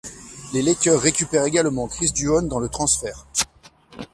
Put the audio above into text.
Les Lakers récupèrent également Chris Duhon dans le transfert.